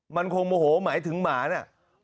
มันคงโมโหหมายถึงหมาเนี่ย